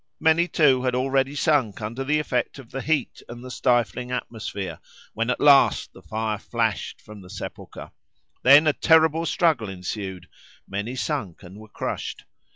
Many, too, had already sunk under the effect of the heat and the stifling atmosphere, when at last the fire flashed from the sepulchre. Then a terrible struggle ensued; many sunk and were crushed.